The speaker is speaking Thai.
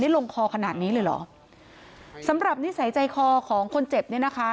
ลงคอขนาดนี้เลยเหรอสำหรับนิสัยใจคอของคนเจ็บเนี่ยนะคะ